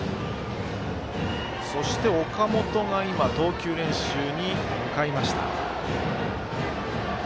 そして、岡本が投球練習に向かいました。